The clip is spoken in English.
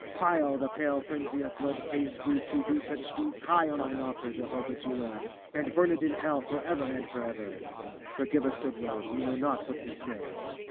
Pile the pale frenzy of blood crazed brutes who do such deeds high on Thine altar, Jehovah Jireh, and burn it in hell forever and forever! Forgive us, good Lord; we know not what we say!